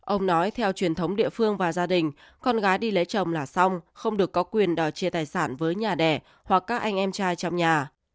ông nói theo truyền thống địa phương và gia đình con gái đi lấy chồng là xong không được có quyền đòi chia tài sản với nhà đẻ hoặc các anh em trai trong nhà